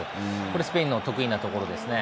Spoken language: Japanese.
これスペインの得意なところですね。